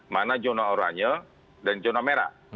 mana zona oranye dan zona merah